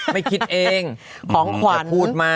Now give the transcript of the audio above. ไม่คิดเองของขวัญ